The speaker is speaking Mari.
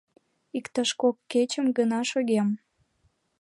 — Иктаж кок кечым гына шогем.